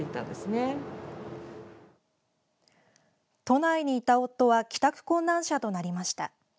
都内にいた夫は帰宅困難者となりました。